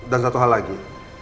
dan satu hal lagi